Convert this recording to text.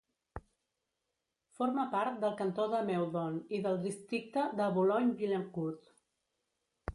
Forma part del cantó de Meudon i del districte de Boulogne-Billancourt.